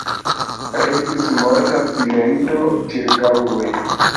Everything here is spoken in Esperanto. Regis morta silento ĉirkaŭe.